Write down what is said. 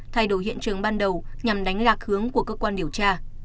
thay đổi hiện trường ban đầu nhằm đánh lạc hướng của cơ quan điều tra